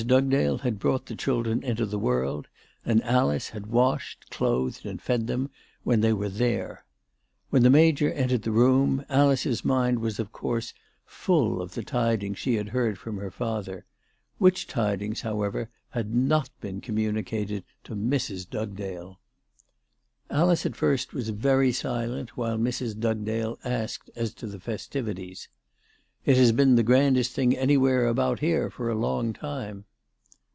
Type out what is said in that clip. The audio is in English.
Dugdale had brought the children into the world, and Alice had washed, clothed, and fed them when they were there. When the Major entered the room, Alice's mind was, of course, full of 'ALICE DUGDALE. 387 the tidings she had heard from her father, which tidings, however, had not been communicated to Mrs. Dugdale. Alice at first was very silent while Mrs. Dugdale asked as to the festivities. " It has been the grandest thing anywhere about here for a long time."